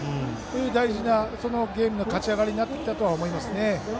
大事なゲームの勝ち上がりになってきたと思いますね。